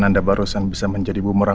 atau bertemu di pengadilan